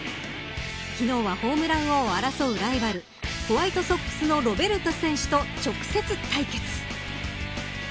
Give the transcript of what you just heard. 昨日はホームラン王を争うライバルホワイトソックスのロベルト選手と直接対決。